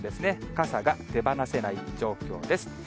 傘が手放せない状況です。